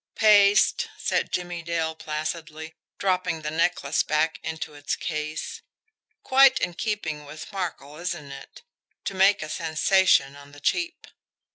"Paste," said Jimmie Dale placidly, dropping the necklace back into its case. "Quite in keeping with Markel, isn't it to make a sensation on the cheap?"